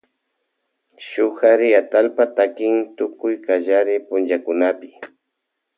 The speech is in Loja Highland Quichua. Shuk kari atallpa takin tukuy kallari punllakunapi.